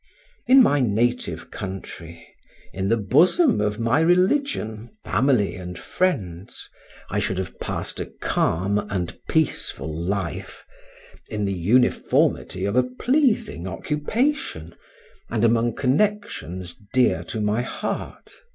In my native country, in the bosom of my religion, family and friends, I should have passed a calm and peaceful life, in the uniformity of a pleasing occupation, and among connections dear to my heart.